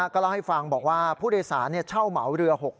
ก็เล่าให้ฟังบอกว่าผู้โดยสารเช่าเหมาเรือ๖๐